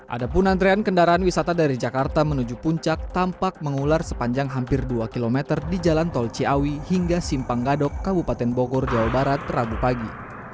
ada pun antrean kendaraan wisata dari jakarta menuju puncak tampak mengular sepanjang hampir dua km di jalan tol ciawi hingga simpang gadok kabupaten bogor jawa barat rabu pagi